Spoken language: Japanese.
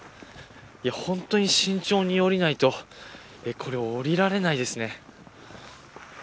本当に慎重に下りないとこれ、降りられないですね。